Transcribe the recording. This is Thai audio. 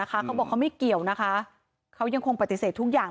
เขาบอกเขาไม่เกี่ยวนะคะเขายังคงปฏิเสธทุกอย่าง